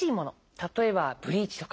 例えばブリーチとか。